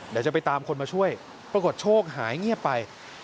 เดี๋ยวจะไปตามคนมาช่วยปรากฏโชคหายเงียบไป